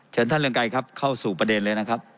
เชิญท่านเรืองไกรครับเข้าสู่ประเด็นเลยนะครับ